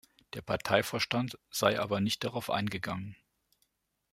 Der Parteivorstand sei aber nicht darauf eingegangen.